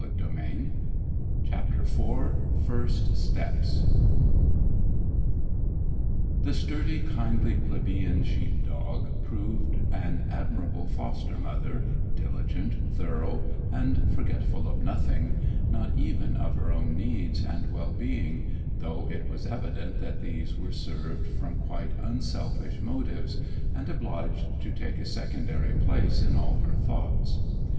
CHAPTER IV FIRST STEPS The sturdy, kindly, plebeian sheep dog proved an admirable foster mother, diligent, thorough, and forgetful of nothing, not even of her own needs and well being, though it was evident that these were served from quite unselfish motives, and obliged to take a secondary place in all her thoughts.